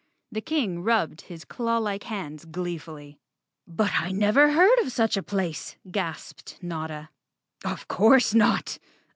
The King rubbed his clawlike hands glee¬ fully. "But I never heard of such a place!" gasped Notta. "Of course not!